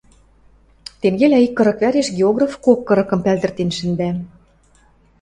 Тенгелӓ ик кырык вӓреш географ кок кырыкым пӓлдӹртен шӹндӓ.